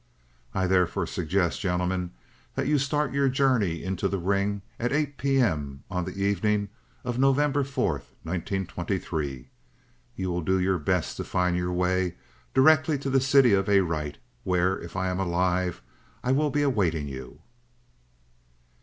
"'I therefore suggest, gentlemen, that you start your journey into the ring at 8 P. M. on the evening of November 4, 1923. You will do your best to find your way direct to the city of Arite, where, if I am alive, I will be awaiting you.'"